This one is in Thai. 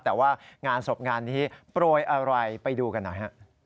แต่ว่างานศพงานนี้โปรยอะไรไปดูกันหน่อยฮะ